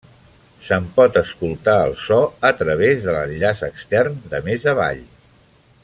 Se'n pot escoltar el so a través de l'enllaç extern de més avall.